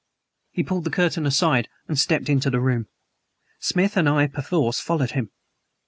He pulled the curtain aside and stepped into the room. Smith and I perforce followed him.